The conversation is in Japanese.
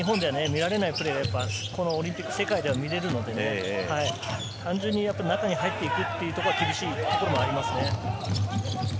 そういったプレーがオリンピックでは見られるので、単純に中に入っていくというところは厳しいところもあります。